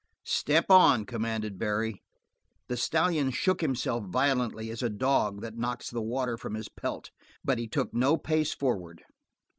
"Step on," commanded Barry. The stallion shook himself violently as a dog that knocks the water from his pelt, but he took no pace forward.